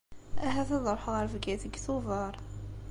Ahat ad ṛuḥeɣ ar Bgayet deg Tubeṛ.